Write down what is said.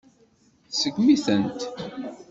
Tseggem-itent.